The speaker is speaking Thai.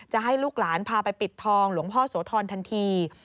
ให้ลูกหลานพาไปปิดทองหลวงพ่อโสธรทันที